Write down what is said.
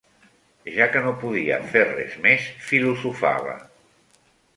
Ja que no podia fer res més, filosofava